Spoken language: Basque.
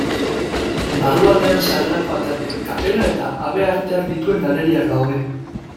Barrualdean sarrerako ataria, kapera eta habearteak dituen galeriak daude.